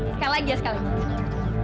sekali lagi ya sekali lagi